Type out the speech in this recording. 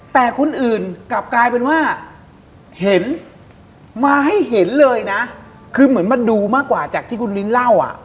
แต่คนอื่นกลับกลายเป็นว่าเห็นมาให้เห็นเลยนะคือเหมือนมันดูมากกว่าจากที่คุณลิ้นเล่าอ่ะ